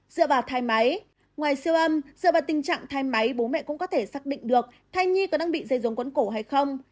dựa vào thai máy ngoài siêu âm dựa vào tình trạng thai máy bố mẹ cũng có thể xác định được thai nhi có đang bị dây rốn cuốn cổ hay không